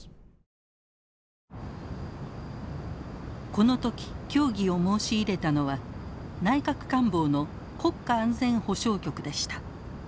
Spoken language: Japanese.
この時協議を申し入れたのは内閣官房の国家安全保障局でした。